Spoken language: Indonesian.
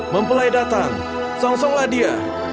mempelai datang songsonglah dia